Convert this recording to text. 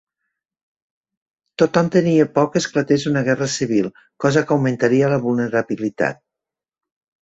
Tothom tenia por que esclatés una guerra civil, cosa que augmentaria la vulnerabilitat.